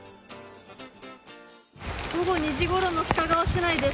午後２時ごろの須賀川市内です。